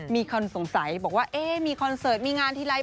มีคนสงสัยบอกว่าเอ๊ะมีคอนเสิร์ตมีงานทีไร